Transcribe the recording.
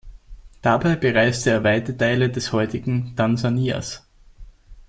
Dabei bereiste er weite Teile des heutigen Tansanias.